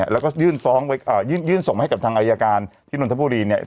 แล้วก็ยื่นฟ้องยื่นส่งให้กับทางอายการที่นนทบุรีเนี่ย